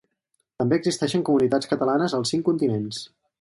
També existeixen comunitats catalanes als cinc continents.